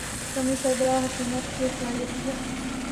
کمی سربراہ حکومت کی صلاحیت کی ہے۔